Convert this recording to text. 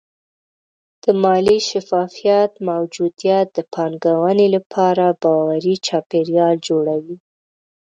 د مالي شفافیت موجودیت د پانګونې لپاره باوري چاپېریال جوړوي.